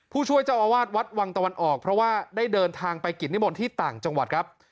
ผู้ช่วยเจ้าอาวาสวัดวังตะวันออกเพราะว่าได้เดินทางไปกิจนิมนต์ที่ต่างจังหวัดครับ